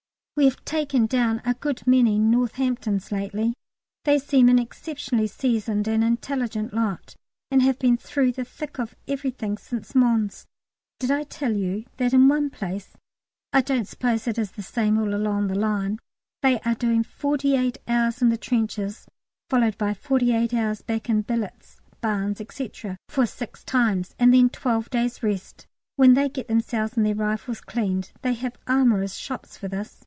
We have taken down a good many Northamptons lately. They seem an exceptionally seasoned and intelligent lot, and have been through the thick of everything since Mons. Did I tell you that in one place (I don't suppose it is the same all along the line) they are doing forty eight hours in the trenches, followed by forty eight hours back in the billets (barns, &c.) for six times, and then twelve days' rest, when they get themselves and their rifles cleaned; they have armourers' shops for this.